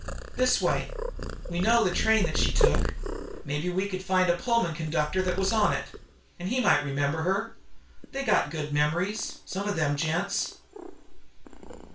"This way. We know the train that she took. Maybe we could find the Pullman conductor that was on it, and he might remember her. They got good memories, some of those gents.